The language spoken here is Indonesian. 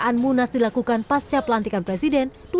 yang akan munas dilakukan pasca pelantikan presiden